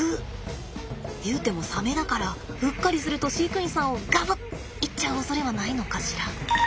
いうてもサメだからうっかりすると飼育員さんをガブッいっちゃうおそれはないのかしら？